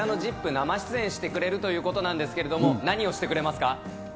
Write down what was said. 生出演してくれるということなんですけれども、何をしてくれますか。